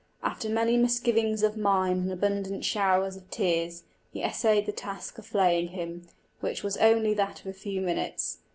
After many misgivings of mind and abundant showers of tears, he essayed the task of flaying him, which was only that of a few minutes.